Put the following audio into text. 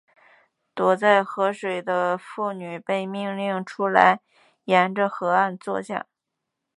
躲在河里的妇女被命令出来沿着河岸坐下。